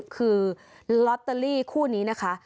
คือลอตเตอรี่คู่นี้นะคะ